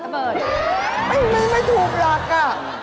ไม่ไม่ไม่ถูกหลักอ่ะ